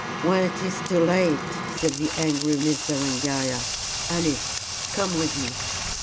"When it is too late," said the angry Miss Berengaria. "Alice, come with me.